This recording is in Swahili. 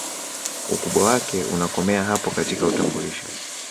Ukubwa wake unakomea hapo katika utambulisho